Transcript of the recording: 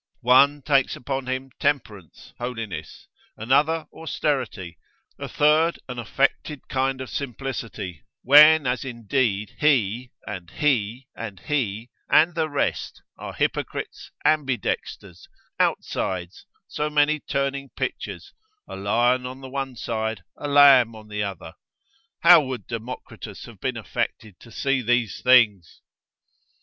One takes upon him temperance, holiness, another austerity, a third an affected kind of simplicity, when as indeed, he, and he, and he, and the rest are hypocrites, ambidexters, outsides, so many turning pictures, a lion on the one side, a lamb on the other. How would Democritus have been affected to see these things!